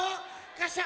カシャ！